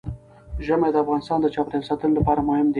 ژمی د افغانستان د چاپیریال ساتنې لپاره مهم دي.